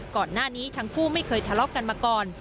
ก่อนหน้านี้ทั้งคู่ไม่เคยทะเลาะกันมาก่อน